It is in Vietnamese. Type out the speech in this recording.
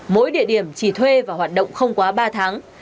mỗi địa điểm chỉ thuê và hoạt động không quá ba tháng